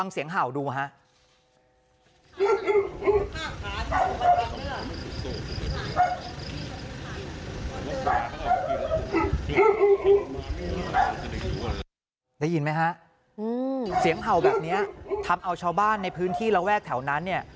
เสียงเห่าแบบนี้ทำเอาชาวบ้านในพื้นที่และแวกแถวนั้นเนี่ย